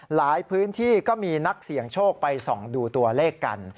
หลายพื้นที่ก็มีนักเสี่ยงโชคไปส่องดูตัวเลขกัน